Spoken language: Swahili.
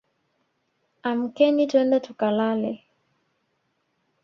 Amkeni twende tukalale